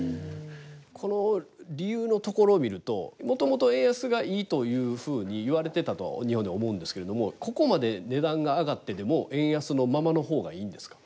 この理由のところを見るともともと円安がいいというふうに言われてたと日本では思うんですけれどもここまで値段が上がってでも円安のままの方がいいんですか？